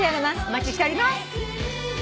お待ちしております。